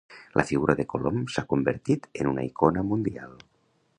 La figura de Colom s'ha convertit en una icona mundial.